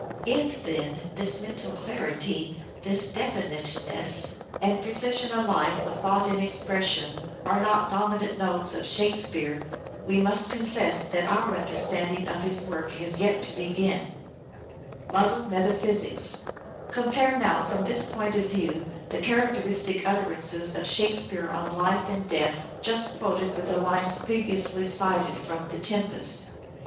If, then, this mental clarity, this definiteness and precision alike of thought and expression, are not dominant notes of " Shakespeare," we must confess that our understanding of his work has yet to begin. Compare now from this point of view the character Muddled istic utterances of Shakespeare on life and death just meta J physics. quoted with the lines previously cited from " The Tempest."